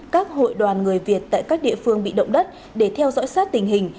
các hội đoàn người việt tại các địa phương bị động đất để theo dõi sát tình hình